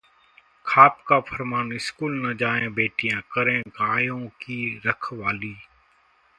खाप का फरमान- स्कूल न जाएं बेटियां, करें गायों की रखवाली